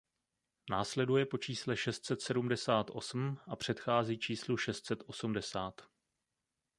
Následuje po čísle šest set sedmdesát osm a předchází číslu šest set osmdesát.